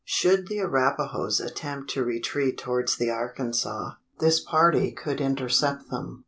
Should the Arapahoes attempt to retreat towards the Arkansas, this party could intercept them.